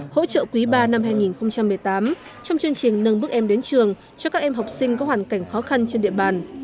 hỗ trợ quý ba năm hai nghìn một mươi tám trong chương trình nâng bước em đến trường cho các em học sinh có hoàn cảnh khó khăn trên địa bàn